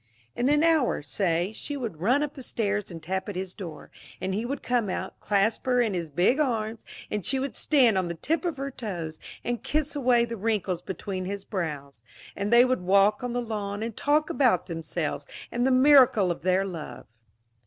In an hour, say, she would run up the stairs and tap at his door. And he would come out, clasp her in his big arms, and she would stand on the tips of her toes and kiss away the wrinkles between his brows, and they would walk on the lawn and talk about themselves and the miracle of their love.